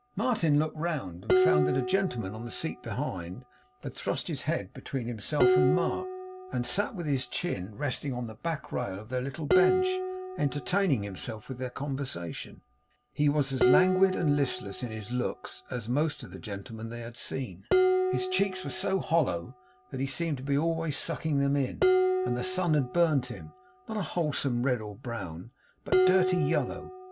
Martin looked round, and found that a gentleman, on the seat behind, had thrust his head between himself and Mark, and sat with his chin resting on the back rail of their little bench, entertaining himself with their conversation. He was as languid and listless in his looks as most of the gentlemen they had seen; his cheeks were so hollow that he seemed to be always sucking them in; and the sun had burnt him, not a wholesome red or brown, but dirty yellow.